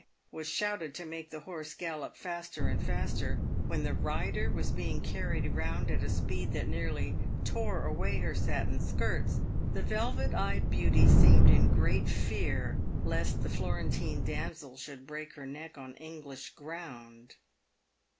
was shouted to make the horse gallop faster and faster, when the rider was being carried round at a speed that nearly tore away her satin skirts, the velvet eyed beauty seemed in great fear lest the Florentine damsel should break her neck on English ground.